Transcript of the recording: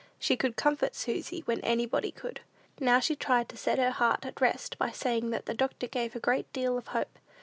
She could comfort Susy when anybody could. Now she tried to set her heart at rest by saying that the doctor gave a great deal of hope.